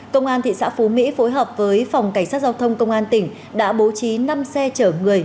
công an thị xã phú mỹ phối hợp với phòng cảnh sát giao thông công an tỉnh đã bố trí năm xe chở người